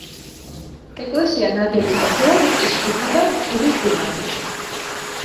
ეკლესია ნაგები ყოფილა რიყის ქვითა და კირის დუღაბით.